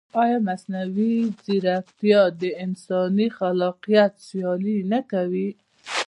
ایا مصنوعي ځیرکتیا د انساني خلاقیت سیالي نه کوي؟